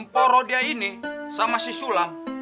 porodia ini sama si sulam